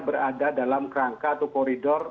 berada dalam kerangka atau koridor